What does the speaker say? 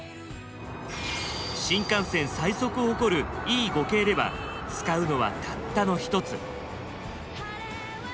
新幹線最速を誇るＥ５系では使うのはたったの一つ。